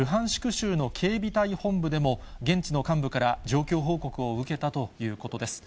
州の警備隊本部でも現地の幹部から状況報告を受けたということです。